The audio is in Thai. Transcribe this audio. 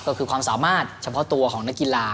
ก็คือความสามารถเฉพาะตัวของนักกีฬา